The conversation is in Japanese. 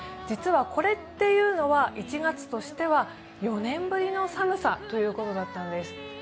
実はこれというのは１月としては４年ぶりの寒さということだったんです。